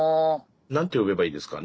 何て呼べばいいですか？